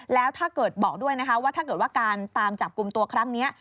แล้วถ้าเกิดบอกด้วยนะคะว่าถ้าเกิดว่าการตามจับกลุ่มตัวครั้งนี้